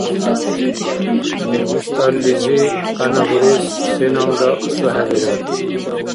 ВиштӀаллизи къяна бурес сеналра асухӀебирар!